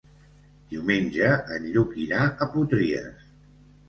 Diumenge en Lluc irà a Potries.